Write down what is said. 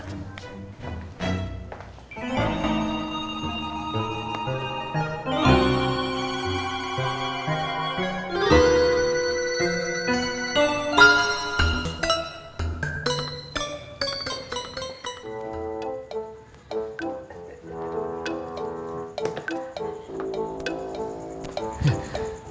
tips buat ibu